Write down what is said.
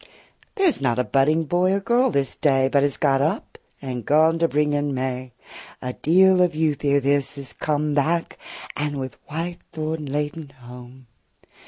There 's not a budding boy or girl this day But is got up and gone to bring in May. A deal of youth ere this is come 45 Back, and with white thorn laden home.